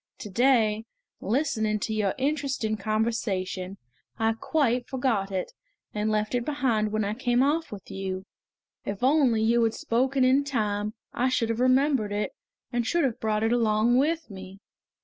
To day, listening to your interesting conversation, I quite forgot it, and left it behind when I came off with you. If only you had spoken in time I should have remembered it, and should have brought it along with me!"